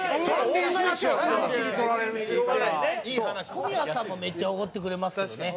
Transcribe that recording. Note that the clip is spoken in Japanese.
小宮さんもめっちゃおごってくれますけどね。